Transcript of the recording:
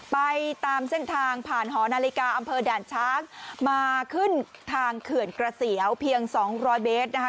ไปตามเส้นทางผ่านหอนาฬิกาอำเภอด่านช้างมาขึ้นทางเขื่อนกระเสียวเพียง๒๐๐เมตรนะคะ